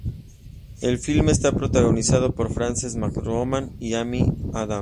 El filme está protagonizado por Frances McDormand y Amy Adams.